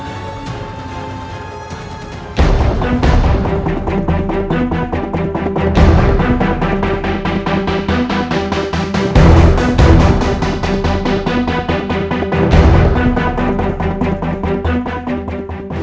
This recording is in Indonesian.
terima kasih raden